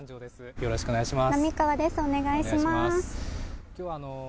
よろしくお願いします。